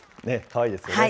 かわいいですよね。